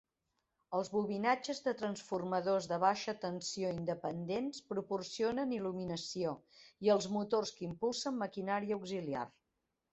Els bobinatges de transformadors de baixa tensió independents proporcionen il·luminació i els motors que impulsen maquinària auxiliar.